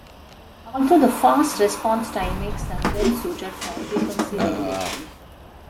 Also the fast response time makes them well-suited for frequency regulation.